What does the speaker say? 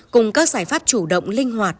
cùng các giải pháp chủ động linh hoạt